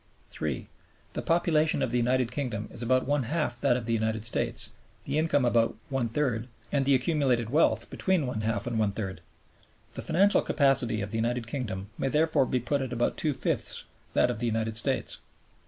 (3) The population of the United Kingdom is about one half that of the United States, the income about one third, and the accumulated wealth between one half and one third. The financial capacity of the United Kingdom may therefore be put at about two fifths that of the United States.